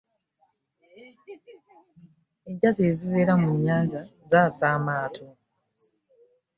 Enjazi ezibeera mu nnyanja zaasa amaato.